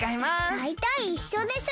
だいたいいっしょでしょ？